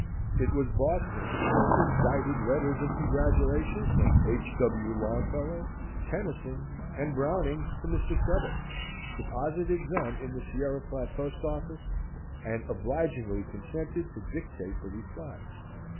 It was "Boston" who indited letters of congratulations from H. W. Longfellow, Tennyson, and Browning, to Mr. Chubbuck, deposited them in the Sierra Flat post office, and obligingly consented to dictate the replies.